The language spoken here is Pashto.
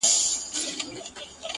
قاضي صاحبه ملامت نه یم! بچي وږي وه!